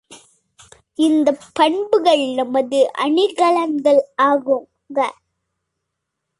இந்தப் பண்புகள் நமது அணிகலன்கள் ஆகுக!